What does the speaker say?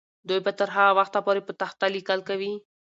دوی به تر هغه وخته پورې په تخته لیکل کوي.